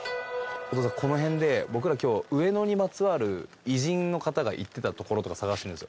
この辺で僕ら今日上野にまつわる偉人の方が行ってた所とか探してるんですよ。